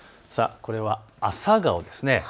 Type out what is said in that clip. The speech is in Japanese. これは朝顔です。